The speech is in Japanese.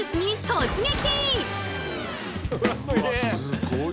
「突撃！